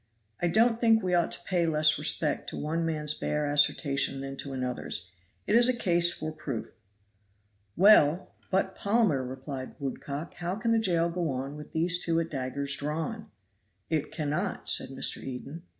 "I don't think we ought to pay less respect to one man's bare assertion than to another's. It is a case for proof." "Well, but, Palmer," replied Woodcock, "how can the jail go on with these two at daggers drawn?" "It cannot," said Mr. Eden.